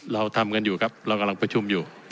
เราทำกันอยู่ครับเรากำลังประชุมอยู่